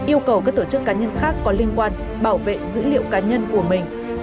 yêu cầu các tổ chức cá nhân khác có liên quan bảo vệ dữ liệu cá nhân của mình